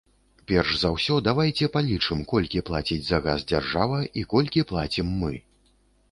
Перш за ўсё, давайце палічым, колькі плаціць за газ дзяржава, і колькі плацім мы.